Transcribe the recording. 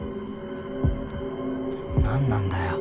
何なんだよ。